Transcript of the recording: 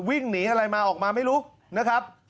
วิ่งหนีอะไรมาออกมาไม่รู้นะครับ